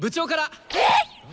えっ！？